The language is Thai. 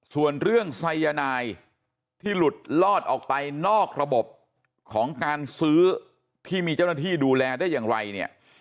ส่วนเรื่องไซยานายที่หลุดลอดออกไปนอกระบบของการซื้อที่มีเจ้าหน้าที่ดูแลได้อย่างไรเนี่ย